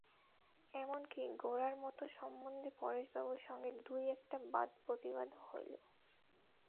এমন-কি, গোরার মত সম্বন্ধে পরেশবাবুর সঙ্গে দুই-একটা বাদপ্রতিবাদও হইল।